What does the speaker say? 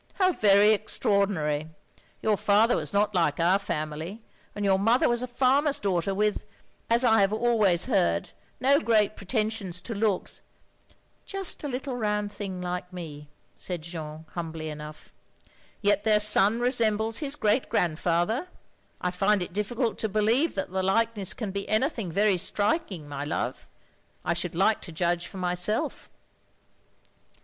"How very extraordinary! Your father was not like our family; and your mother was a farmer's daughter with, as I have always heard, no great pretensions to looks —" '*Just a little rotmd thing like me," said Jeanne, humbly enough. "Yet their son resembles his great grand father! I find it difficult to believe that the likeness can be anything very striking, my love. I should like to judge for myself."